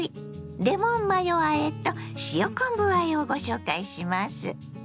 レモンマヨあえと塩昆布あえをご紹介します。